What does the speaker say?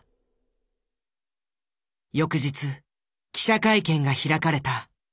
翌日記者会見が開かれた。